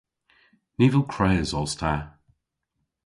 Nivel kres os ta.